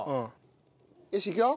よしいくよ？